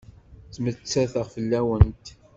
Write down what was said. Ttmettateɣ fell-awent.